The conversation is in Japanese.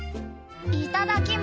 いただきま。